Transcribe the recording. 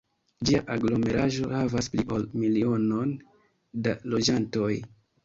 Ĝia aglomeraĵo havas pli ol milionon da loĝantoj.